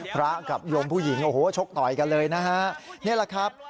พระกับโยมผู้หญิงโอ้โหชกต่อยกันเลยนะฮะนี่แหละครับ